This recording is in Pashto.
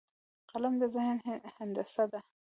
قلم د ذهن هندسه ده